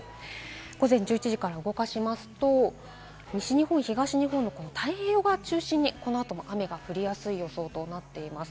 午前１１時から動かしますと、西日本、東日本の太平洋側を中心にこのあとも雨が降りやすい予想となっています。